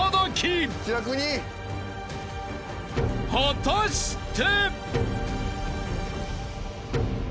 ［果たして？］